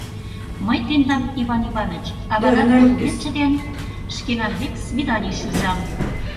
Мый тендам, Иван Иваныч, авадан документше дене шкенан дек свиданийыш ӱжам.